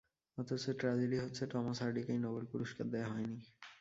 অথচ ট্রাজিডি হচ্ছে, Thomas হার্ডিকেই Nobel পুরুষ্কার দেয়া হয় নি।